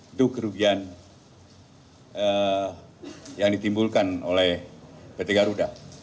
itu kerugian yang ditimbulkan oleh pt garuda